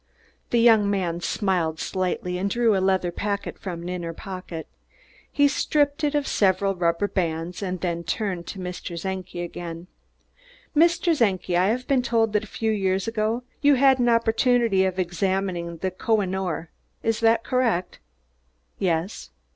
The young man smiled slightly and drew a leather packet from an inner pocket. He stripped it of several rubber bands, and then turned to Mr. Czenki again. "Mr. Czenki, I have been told that a few years ago you had an opportunity of examining the Koh i noor. Is that correct?" "Yes."